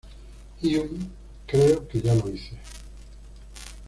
Hume, creo que ya lo hice".